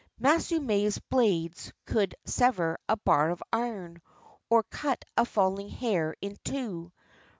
Masamune's blades could sever a bar of iron, or cut a falling hair in two.